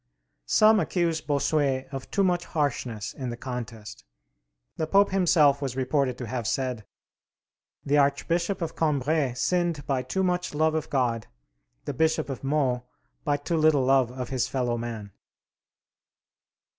Some accuse Bossuet of too much harshness in the contest. The Pope himself was reported to have said, "The Archbishop of Cambrai sinned by too much love of God, the Bishop of Meaux by too little love of his fellow man."